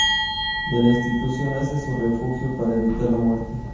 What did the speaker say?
De la institución hace su refugio para evitar a la muerte.